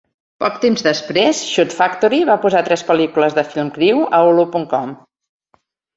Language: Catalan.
Poc temps després, Shout Factory va posar tres pel·lícules de Film Crew a Hulu.com.